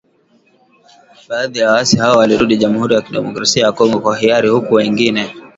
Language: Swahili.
Baadhi ya waasi hao walirudi Jamuhuri ya Kidemokrasia ya Kongo kwa hiari huku wengine